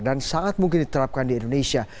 dan sangat mungkin diterapkan di indonesia